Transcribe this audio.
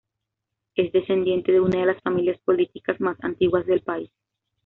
Es descendiente de una de las familias políticas más antiguas del país.